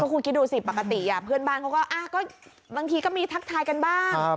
คุณคิดดูสิปกติเพื่อนบ้านเขาก็บางทีก็มีทักทายกันบ้าง